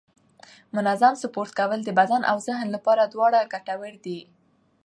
منظم سپورت کول د بدن او ذهن لپاره دواړه ګټور دي